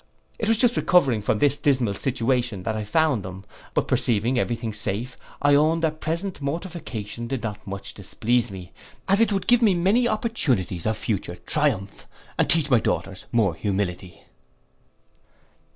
It was just recovering from this dismal situation that I found them; but perceiving every thing safe, I own their present mortification did not much displease me, as it would give me many opportunities of future triumph, and teach my daughters more humility.